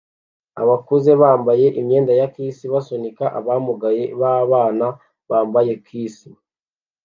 Abakuze bambaye imyenda ya Kiss basunika abamugaye b'abana bambaye Kiss